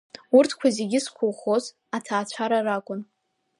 Урҭқәа зегьы зқәыӷәӷәоз аҭаацәара ракәын.